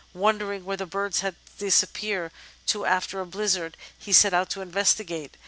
Wondering where the birds had disappeared to after a blizzard, he set out to investigate.